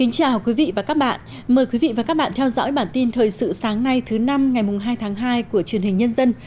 chào mừng quý vị đến với bản tin thời sự sáng nay thứ năm ngày hai tháng hai của truyền hình nhân dân